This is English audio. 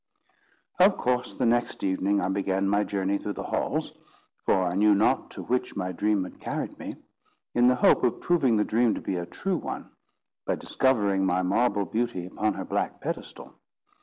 Of course, the next evening I began my journey through the halls (for I knew not to which my dream had carried me), in the hope of proving the dream to be a true one, by discovering my marble beauty upon her black pedestal.